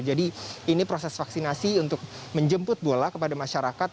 jadi ini proses vaksinasi untuk menjemput bola kepada masyarakat